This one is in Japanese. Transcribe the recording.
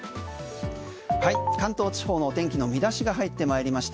関東地方のお天気の見出しが入ってまいりました